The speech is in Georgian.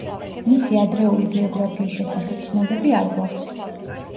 მისი ადრეული ბიოგრაფიის შესახებ ცნობები არ გვაქვს.